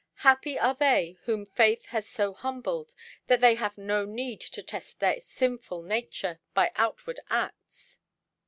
Happy are they whom faith has so humbled that they have no need to test their sinful nature by outward acts."